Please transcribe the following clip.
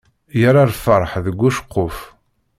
Yerra lferḥ deg uceqquf.